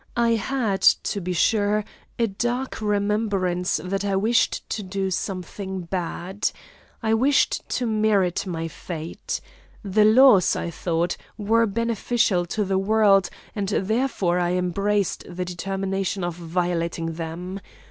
I had to be sure a dark remembrance that I wished to do something bad. I wished to merit my fate. The laws, I thought, were beneficial to the world, and therefore I embraced the determination of violating them.